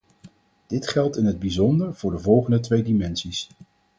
Dit geldt in het bijzonder voor de volgende twee dimensies.